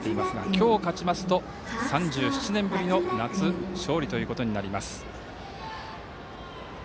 今日、勝ちますと３７年ぶりの夏勝利となります。